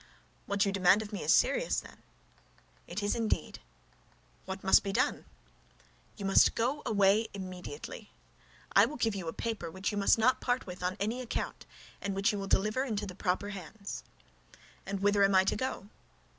"What you demand of me is serious, then?" "It is indeed." "What must be done?" "You must go away immediately. I will give you a paper which you must not part with on any account, and which you will deliver into the proper hands." "And whither am I to go?"